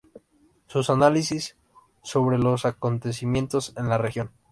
Sus análisis sobre los acontecimientos en la región.